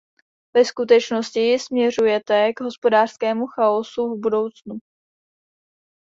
Ve skutečnosti ji směrujete k hospodářskému chaosu v budoucnu.